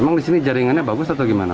emang di sini jaringannya bagus atau gimana